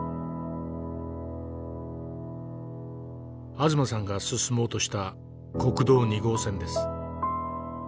東さんが進もうとした国道２号線です。